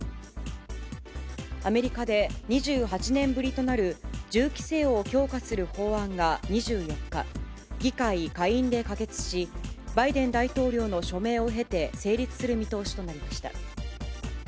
アメリカで２８年ぶりとなる、銃規制を強化する法案が２４日、議会下院で可決し、バイデン大統領の署名を経て成立する見通しとなりました。